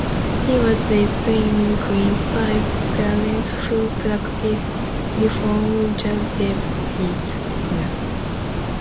He was raised in Queens by parents who practiced Reform Judaism.